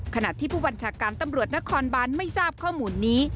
ขณะที่ผู้บัญชาการตำรวจนครบานไม่ทราบข้อมูลนี้